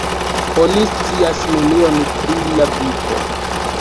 Oni scias nenion pri lia vivo.